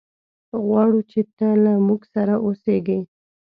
غواړو چې ته له موږ سره اوسېږي.